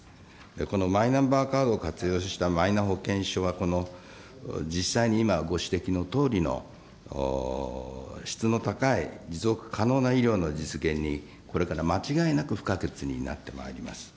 このマイナンバーカードを活用したマイナ保険は、実際に今、ご指摘のとおりの質の高い持続可能な医療の実現にこれから間違いなく不可欠になっております。